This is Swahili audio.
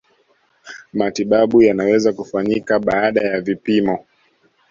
matibabu yanaweza kufanyika baada ya vipimo